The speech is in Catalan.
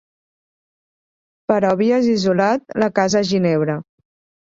Però havies isolat la casa a Ginebra.